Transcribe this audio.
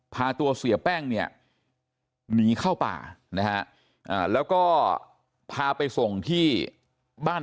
พาตัวเสียแป้งเนี่ยหนีเข้าป่านะฮะแล้วก็พาไปส่งที่บ้าน